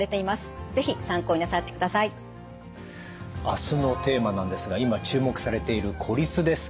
あすのテーマなんですが今注目されている孤立です。